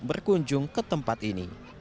berkunjung ke tempat ini